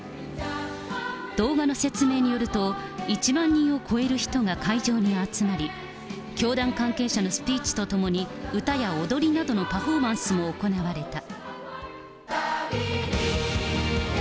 動画の説明によると、１万人を超える人が会場に集まり、教団関係者のスピーチとともに歌や踊りなどのパフォーマンスが行われた。